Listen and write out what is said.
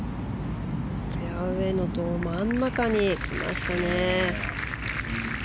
フェアウェーのど真ん中に来ましたね。